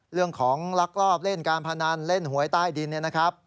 เรื่องของลักลอบเล่นการพนันเล่นโหยใต้ดิน